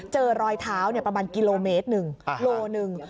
เจอรอยเท้าประมาณกิโลเมตรหนึ่งโลหนึ่ง